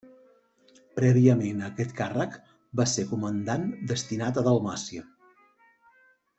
Prèviament a aquest càrrec va ser comandant destinat a Dalmàcia.